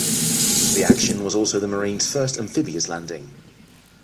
The action was also the marines' first amphibious landing.